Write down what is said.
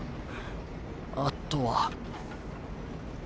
あとは。